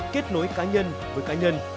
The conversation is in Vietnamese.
kết nối cá nhân với cá nhân